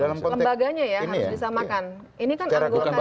lembaganya ya harus disamakan